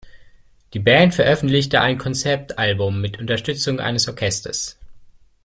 Die Band veröffentlichte ein Konzeptalbum mit Unterstützung eines Orchesters.